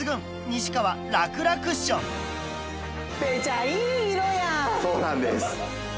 西川そうなんです。